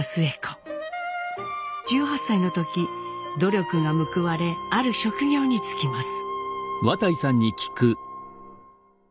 １８歳の時努力が報われある職業に就きます。